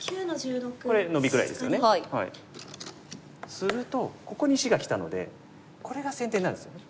するとここに石がきたのでこれが先手になるんですよね